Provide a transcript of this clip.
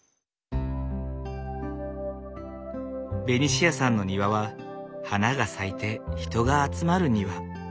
ベニシアさんの庭は花が咲いて人が集まる庭。